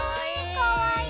かわいい！